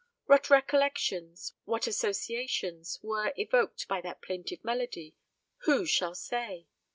What recollections, what associations, were evoked by that plaintive melody, who shall say?